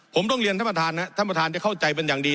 ผมต้องเรียนท่านประธานนะท่านประธานจะเข้าใจเป็นอย่างดี